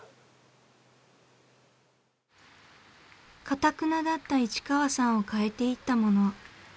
かたくなだった市川さんを変えていったもの。